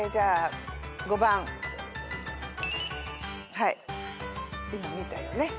はい今見たよね。